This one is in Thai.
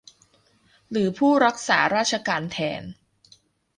หรือผู้รักษาราชการแทน